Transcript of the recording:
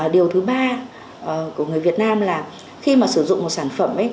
điều thứ ba của người việt nam là khi mà sử dụng một sản phẩm